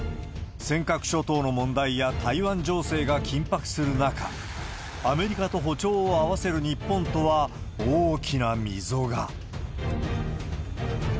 尖閣諸島の問題や台湾情勢が緊迫する中、アメリカと歩調を合わせる日本とは大きな溝が。